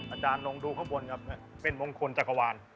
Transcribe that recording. อาจารย์ลองดูข้างบนครับเป็นมงคลจักรวาล